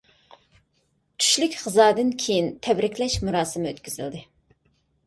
چۈشلۈك غىزادىن كېيىن تەبرىكلەش مۇراسىمى ئۆتكۈزۈلدى.